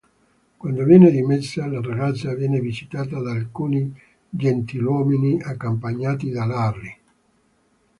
Quando viene dimessa, la ragazza viene visitata da alcuni gentiluomini accompagnati da Larry.